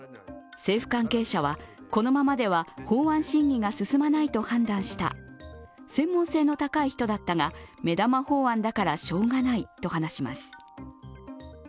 政府関係者は、このままでは法案審議が進まないと判断した、専門性の高い人だったが目玉法案だからしようがないと話します。